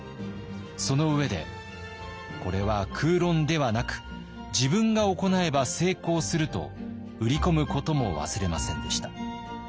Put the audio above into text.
その上でこれは空論ではなく自分が行えば成功すると売り込むことも忘れませんでした。